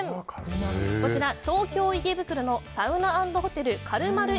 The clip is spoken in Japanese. こちら、東京・池袋のサウナ＆ホテルかるまる